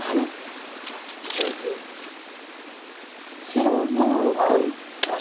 白２の六。